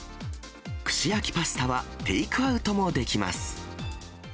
串焼きパスタはテイクアウトもできます。